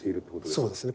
そうですね。